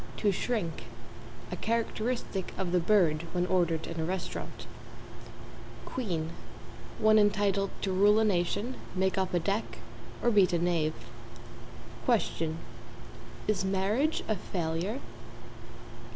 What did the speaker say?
t., To shrink a characteristic of the bird when ordered in a restaurant. =QUEEN= One entitled to rule a nation, make up a deck, or beat a knave. =QUESTION= Is marriage a failure?